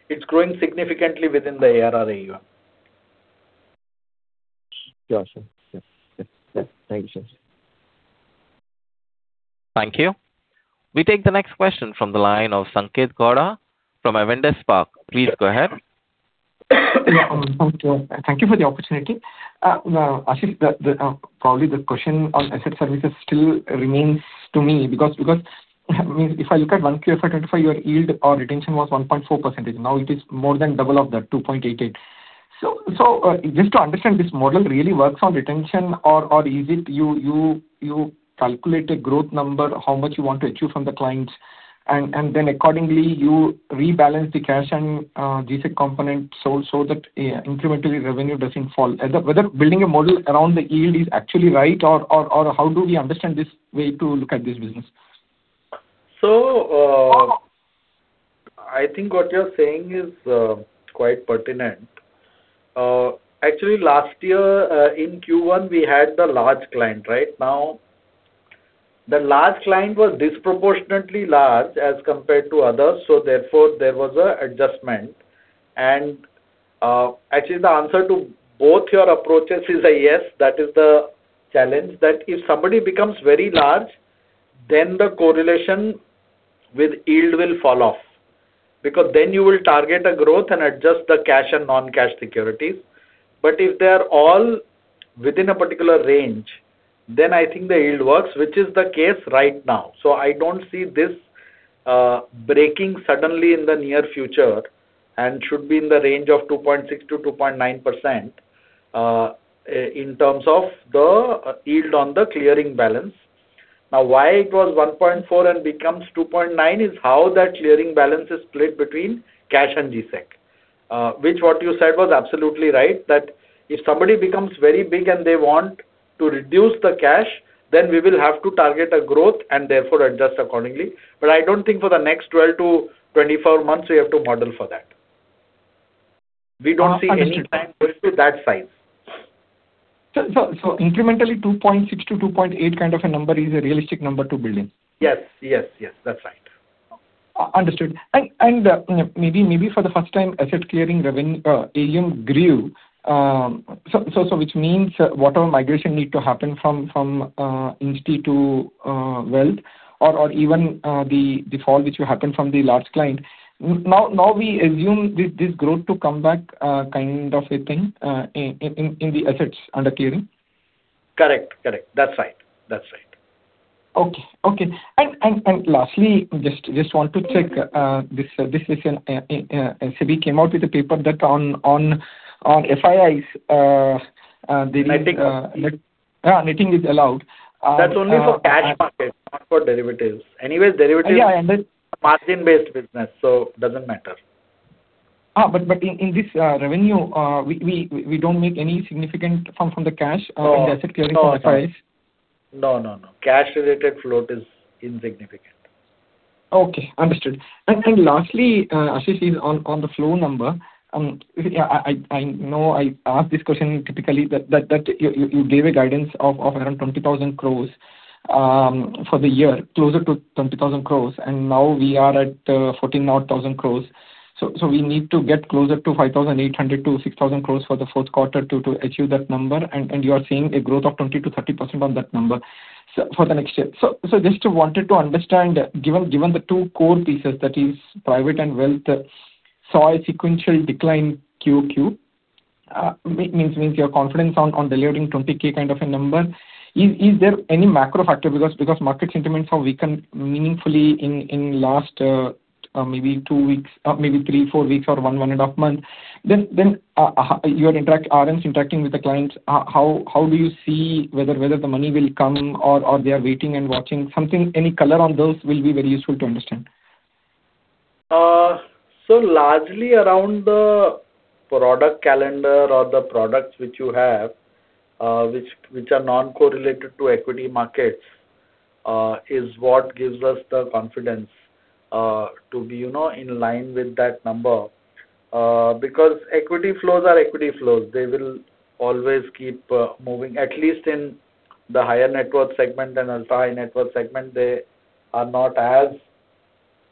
B: it's growing significantly within the ARR AUM.
J: Sure, sir. Yes. Yes. Thank you, sir.
A: Thank you. We take the next question from the line of Sanket Godha from Avendus Spark. Please go ahead.
K: Yeah, thank you for the opportunity. Ashish, probably the question on asset services still remains to me, because, I mean, if I look at 1Q FY 2025, your yield or retention was 1.4%. Now it is more than double of that, 2.88. So, just to understand, this model really works on retention or is it you calculate a growth number, how much you want to achieve from the clients, and then accordingly, you rebalance the cash and G-Sec component so that incrementally revenue doesn't fall? As to whether building a model around the yield is actually right, or how do we understand this way to look at this business?
B: So, I think what you're saying is quite pertinent. Actually, last year, in Q1, we had the large client, right? Now, the large client was disproportionately large as compared to others, so therefore, there was an adjustment. And, actually, the answer to both your approaches is a yes. That is the challenge, that if somebody becomes very large, then the correlation with yield will fall off, because then you will target a growth and adjust the cash and non-cash securities. But if they are all within a particular range, then I think the yield works, which is the case right now. So I don't see this breaking suddenly in the near future, and should be in the range of 2.6%-2.9%, in terms of the yield on the clearing balance. Now, why it was 1.4 and becomes 2.9, is how that clearing balance is split between cash and G-Sec. Which what you said was absolutely right, that if somebody becomes very big and they want to reduce the cash, then we will have to target a growth and therefore adjust accordingly. But I don't think for the next 12-24 months, we have to model for that. We don't see any client with that size.
K: So incrementally, 2.6-2.8 kind of a number is a realistic number to build in?
B: Yes. Yes, yes, that's right.
K: Understood. And, maybe, for the first time, asset clearing revenue, AUM grew, so which means whatever migration need to happen from insti to wealth or even the fall which will happen from the large client. Now, we assume this growth to come back, kind of a thing, in the assets under clearing?
B: Correct. Correct. That's right. That's right.
K: Okay. And lastly, just want to check this recent SEBI came out with a paper that on FIIs, yeah, nothing is allowed.
B: That's only for cash markets, not for derivatives. Anyways, derivatives-
K: Yeah, and then-
B: Margin-based business, so doesn't matter.
K: But in this revenue, we don't make any significant from the cash-
B: No.
K: in the asset clearing from FIIs?
B: No, no, no. Cash-related float is insignificant.
K: Okay, understood. And lastly, Ashish, on the flow number, yeah, I know I ask this question typically, but that you gave a guidance of around 20,000 crore for the year, closer to 20,000 crore, and now we are at 14,000-odd crore. So we need to get closer to 5,800-6,000 crore for the fourth quarter to achieve that number, and you are seeing a growth of 20%-30% on that number for the next year. So just wanted to understand, given the two core pieces, that is, private and wealth, saw a sequential decline QOQ, means you are confident on delivering 20,000 kind of a number. Is there any macro factor? Because market sentiments have weakened meaningfully in last maybe two weeks, maybe three, four weeks or one and a half months. Then your RMs interacting with the clients, how do you see whether the money will come or they are waiting and watching? Something, any color on those will be very useful to understand.
B: So largely around the product calendar or the products which you have, which, which are non-correlated to equity markets, is what gives us the confidence to be, you know, in line with that number. Because equity flows are equity flows. They will always keep moving, at least in the higher net worth segment and ultra high net worth segment, they are not as,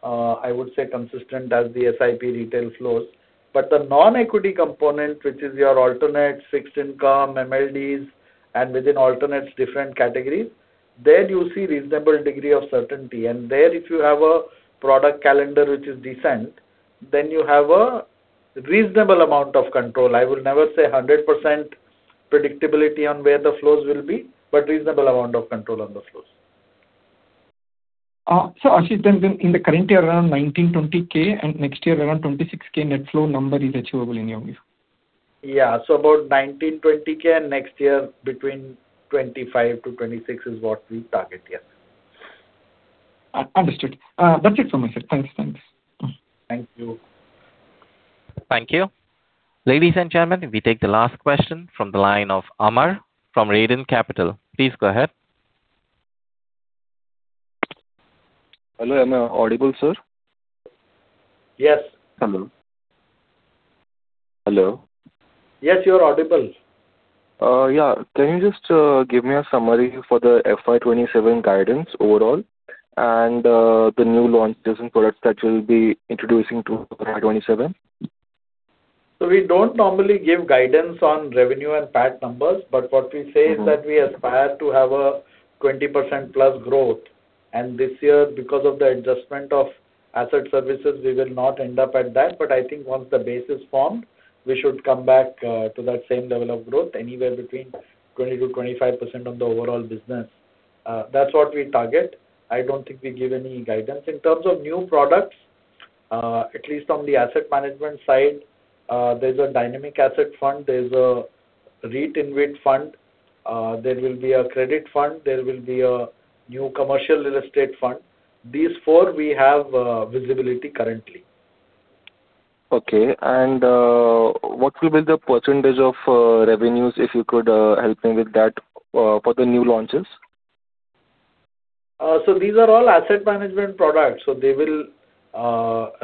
B: I would say, consistent as the SIP retail flows. But the non-equity component, which is your alternatives, fixed income, MLDs, and within alternates, different categories, there you see reasonable degree of certainty. And there, if you have a product calendar which is decent, then you have a reasonable amount of control. I will never say 100% predictability on where the flows will be, but reasonable amount of control on those flows.
K: So, Ashish, then in the current year, around 19-20K, and next year, around 26K net flow number is achievable in your view?
B: Yeah. So about 19-20K next year between 25-26 is what we target. Yes.
K: Understood. That's it from my side. Thanks. Thanks.
B: Thank you.
A: Thank you. Ladies and gentlemen, we take the last question from the line of Amar from Raedan Capital. Please go ahead.
L: Hello, am I audible, sir?
B: Yes.
L: Hello? Hello.
B: Yes, you are audible.
L: Yeah. Can you just give me a summary for the FY 2027 guidance overall, and the new launches and products that you'll be introducing to FY 2027?
B: We don't normally give guidance on revenue and PAT numbers, but what we say-
L: Mm-hmm.
B: is that we aspire to have a 20%+ growth. And this year, because of the adjustment of asset services, we will not end up at that. But I think once the base is formed, we should come back to that same level of growth, anywhere between 20%-25% of the overall business. That's what we target. I don't think we give any guidance. In terms of new products, at least on the asset management side, there's a dynamic asset fund, there's a REIT InvIT fund, there will be a credit fund, there will be a new commercial real estate fund. These four we have visibility currently.
L: Okay. And what will be the percentage of revenues, if you could help me with that, for the new launches?
B: So these are all asset management products, so they will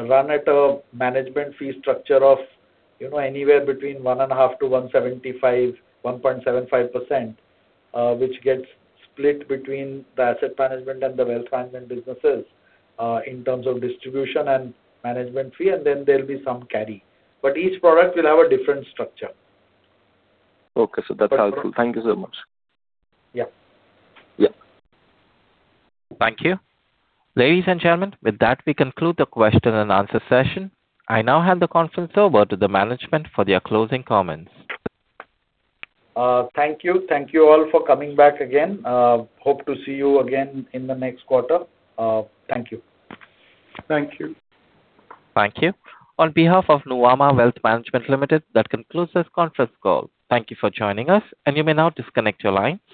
B: run at a management fee structure of, you know, anywhere between 1.5%-1.75%, which gets split between the asset management and the Wealth Management businesses, in terms of distribution and management fee, and then there'll be some carry. But each product will have a different structure.
L: Okay. So that's helpful. Thank you so much.
B: Yeah.
L: Yeah.
A: Thank you. Ladies and gentlemen, with that, we conclude the question and answer session. I now hand the conference over to the management for their closing comments.
B: Thank you. Thank you all for coming back again. Hope to see you again in the next quarter. Thank you.
C: Thank you.
A: Thank you. On behalf of Nuvama Wealth Management Limited, that concludes this conference call. Thank you for joining us, and you may now disconnect your line.